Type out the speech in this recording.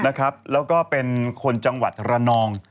แล้วก็เป็นคนจังหวัดระนอง